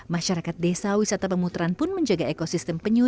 masyarakat desa wisata pemutaran pun menjaga ekosistem penyuh